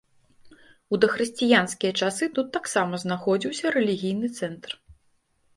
У дахрысціянскія часы тут таксама знаходзіўся рэлігійны цэнтр.